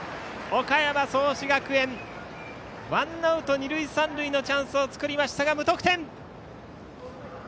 岡山・創志学園、ワンアウト二塁三塁のチャンスを作りましたが無得点。